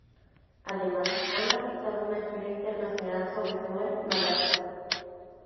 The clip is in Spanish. Además han realizado una gira internacional sobre todo en Malasia.